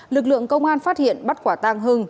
lực lượng công an phát hiện bắt quả tang hưng